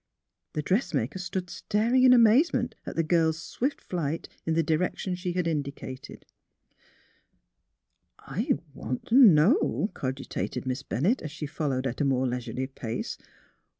The dress maker stood staring in amazement at the girl's swift flight in the direction she had indicated. 194 THE HEAET OF PHILUEA '' I want t' know! " cogitated Miss Bennett, as slie followed at a more leisurely pace.